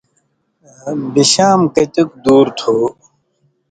بشام کتِیُوک دُور تُھو؟